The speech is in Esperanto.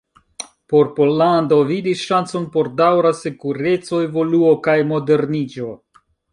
Por Pollando vidis ŝancon por daŭra sekureco, evoluo kaj modernigo.